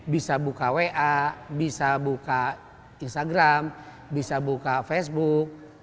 bisa buka wa bisa buka instagram bisa buka facebook